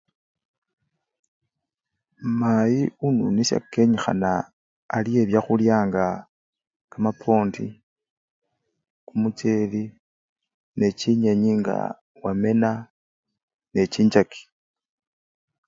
Mayi ununisha kenyikhana alye byakhulya nga kamapwondi kumucheli ne chinyenyi nga womena ne chinchaki